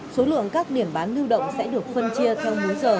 số lượng các điểm bán lưu động sẽ được phân chia theo bốn giờ